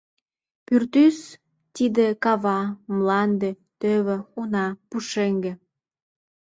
— Пӱртӱс — тиде... кава, мланде, тӧвӧ, уна, пушеҥге.